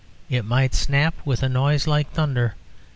It might snap with a noise like thunder.